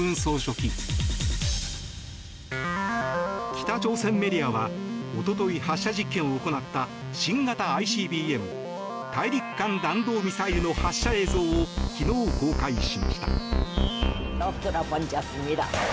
北朝鮮メディアは一昨日発射実験を行った新型ＩＣＢＭ・大陸間弾道ミサイルの発射映像を昨日、公開しました。